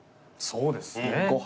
そうですね。